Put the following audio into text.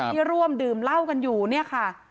ที่ร่วมดื่มเหล้ากันอยู่เนี่ยค่ะ